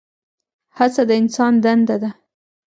هڅه د انسان دنده ده؟